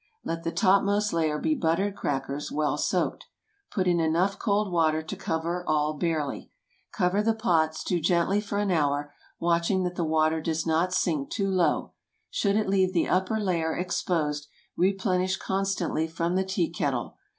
Let the topmost layer be buttered crackers, well soaked. Put in enough cold water to cover all barely. Cover the pot, stew gently for an hour, watching that the water does not sink too low. Should it leave the upper layer exposed, replenish constantly from the tea kettle.